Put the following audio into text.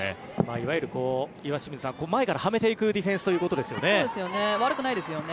いわゆる岩清水さん前からはめていくというディフェンスということですよね。